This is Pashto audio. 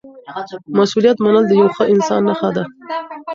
مسؤلیت منل د یو ښه انسان نښه ده.